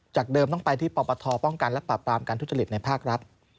เดิมต้องไปที่ปปทป้องกันและปราบปรามการทุจริตในภาครัฐ